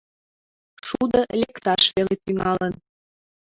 Шудо лекташ веле тӱҥалын.